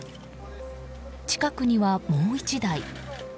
近くには、もう１台。